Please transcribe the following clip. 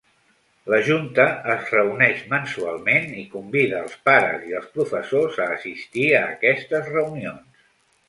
La junta es reuneix mensualment i convida als pares i als professors a assistir a aquestes reunions.